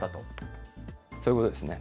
そういうことですね。